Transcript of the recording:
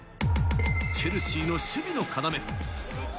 チェルシーの守備の要。